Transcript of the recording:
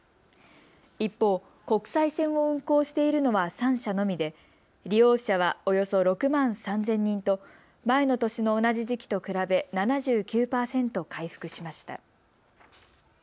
一方、国際線を運航しているのは３社のみで利用者はおよそ６万３０００人と前の年の同じ時期と比べ７９％回復しました。